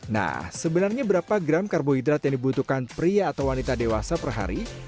nah sebenarnya berapa gram karbohidrat yang dibutuhkan pria atau wanita dewasa per hari